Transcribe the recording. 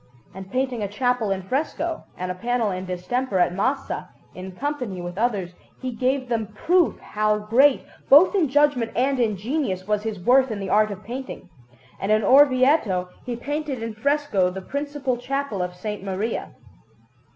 And painting a chapel in fresco and a panel in distemper at Massa, in company with others, he gave them proof how great, both in judgment and in genius, was his worth in the art of painting; and in Orvieto he painted in fresco the principal Chapel of S. Maria.